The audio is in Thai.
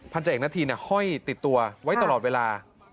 ภันธ์จ่าเอกณะทีค่อยติดตัวไว้ตลอดเวลา